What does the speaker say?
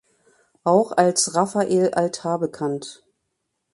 Auch als Raphael Altar bekannt.